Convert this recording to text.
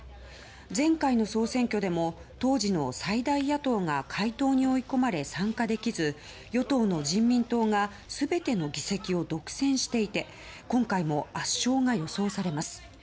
前回の総選挙でも当時の最大野党が解党に追い込まれ参加できず与党の人民党が全ての議席を独占していて今回も圧勝が予想されます。